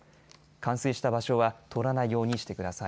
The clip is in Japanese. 冠水した場所は通らないようにしてください。